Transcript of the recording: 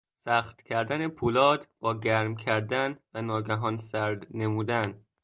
سخت کردن پولاد با گرم کردن و ناگهان سرد نمودن